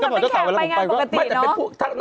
มันก็เหมือนเป็นแขกประงานปกติเนอะ